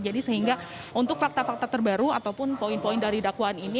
jadi sehingga untuk fakta fakta terbaru ataupun poin poin dari dakwaan ini